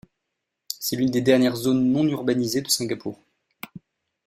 C'est l'une des dernières zones non urbanisées de Singapour.